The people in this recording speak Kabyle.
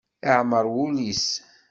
Iɛemmer wul-is.